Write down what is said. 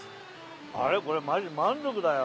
あれこれマジ満足だよ。